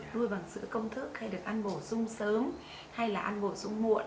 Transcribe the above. nuôi bằng sữa công thức hay được ăn bổ sung sớm hay là ăn bổ sung muộn